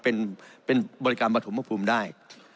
เป็นบริการปฐมภูมิได้